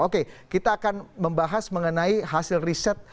oke kita akan membahas mengenai hasil riset